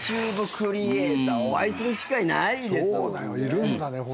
クリエイターお会いする機会ないですもんね。